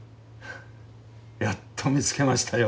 やっと見つけましたよ。